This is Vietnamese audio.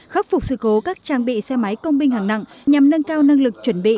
khắc phục sự cố các trang bị xe máy công binh hạng nặng nhằm nâng cao năng lực chuẩn bị